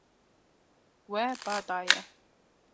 We ba daye.